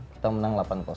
kita menang delapan